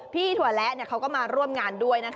พี่ถั่วแล้เขาก็มาร่วมงานด้วย